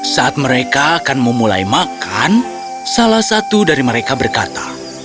saat mereka akan memulai makan salah satu dari mereka berkata